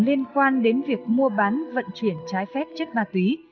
liên quan đến việc mua bán vận chuyển trái phép chất ma túy